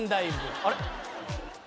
あれ？